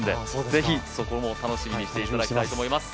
ぜひそこも楽しみにしていただきたいと思います。